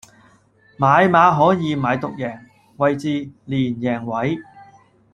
買馬可以買獨贏、位置、連贏位